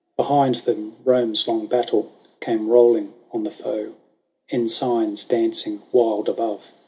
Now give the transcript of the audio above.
Behind them Rome's long battle Came rolling on the foe. Ensigns dancing wild above.